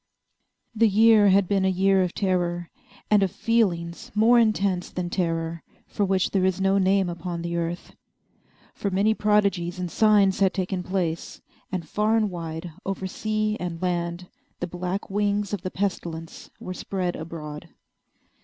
The year had been a year of terror, and of feelings more intense than terror for which there is no name upon the earth. For many prodigies and signs had taken place, and far and wide, over sea and land, the black wings of the Pestilence were spread abroad.